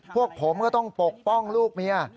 พวกผมก็ต้องปกป้องลูกเมีย